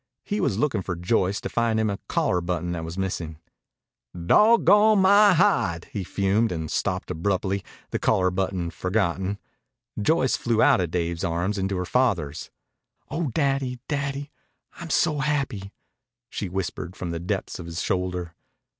He was looking for Joyce to find him a collar button that was missing. "Dawggone my hide!" he fumed, and stopped abruptly, the collar button forgotten. Joyce flew out of Dave's arms into her father's. "Oh, Daddy, Daddy, I'm so happy," she whispered from the depths of his shoulder.